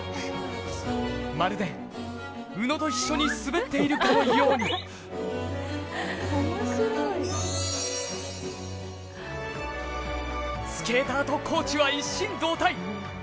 まるで、宇野と一緒に滑っているかのようにスケーターとコーチは一心同体。